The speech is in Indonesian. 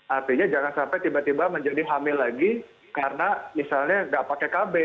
artinya jangan sampai tiba tiba menjadi hamil lagi karena misalnya nggak pakai kb